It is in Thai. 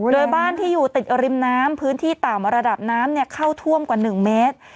โดยบ้านที่อยู่ติดริมน้ำพื้นที่ต่ำระดับน้ำเข้าท่วมกว่า๑เมตร